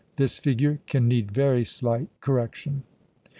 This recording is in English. This figure can need very slight correction.